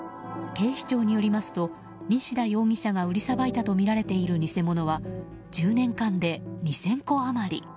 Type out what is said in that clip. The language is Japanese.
警視庁によりますと西田容疑者が売りさばいたとみられている偽物は１０年間で２０００個余り。